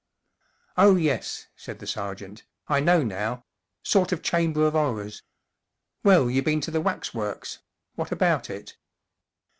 44 Oh, yes," said the sergeant, 44 1 know now. Sort of chamber of 'orrors. Well, you been to the waxworks. What about it